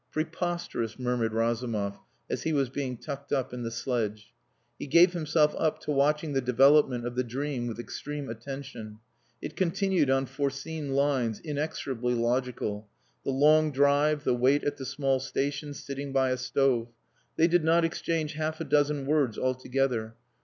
"Preposterous," murmured Razumov, as he was being tucked up in the sledge. He gave himself up to watching the development of the dream with extreme attention. It continued on foreseen lines, inexorably logical the long drive, the wait at the small station sitting by a stove. They did not exchange half a dozen words altogether.